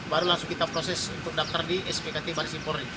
baru langsung kita proses untuk daftar di spkt baird skim polri